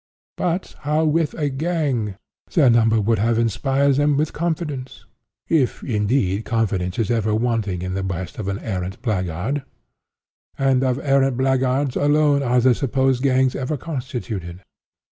"But how with a gang? Their number would have inspired them with confidence; if, indeed confidence is ever wanting in the breast of the arrant blackguard; and of arrant blackguards alone are the supposed gangs ever constituted.